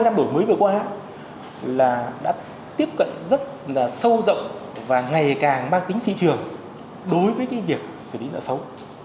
ba mươi năm đổi mới vừa qua đã tiếp cận rất sâu rộng và ngày càng mang tính thị trường đối với việc xử lý nợ xấu